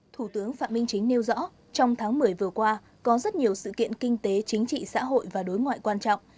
thủ tướng phạm minh chính nêu rõ trong tháng một mươi vừa qua có rất nhiều sự kiện kinh tế chính trị xã hội và đối ngoại quan trọng